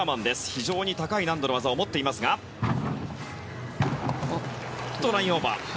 非常に高い難度の技を持っていますがラインオーバー。